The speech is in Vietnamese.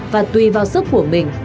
và tùy vào sức của mình